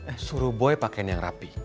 eh suruh boy pakai mobil yang rapi